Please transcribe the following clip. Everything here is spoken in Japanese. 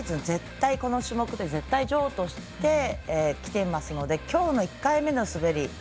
絶対この種目で絶対女王としてきていますのできょうの１回目の滑り